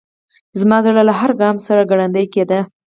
زما زړه له هر ګام سره ګړندی کېده.